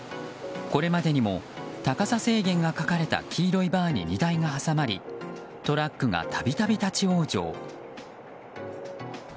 これまでにも高さ制限が書かれた黄色いバーに荷台が挟まりトラックが度々立ち往生。